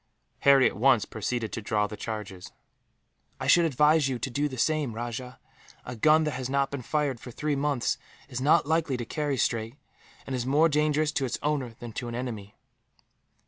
Harry at once proceeded to draw the charges. "I should advise you to do the same, Rajah. A gun that has not been fired for three months is not likely to carry straight, and is more dangerous to its owner than to an enemy."